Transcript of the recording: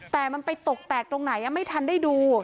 แต่มันไปตกแตกตรงไหนไม่ทันได้ดู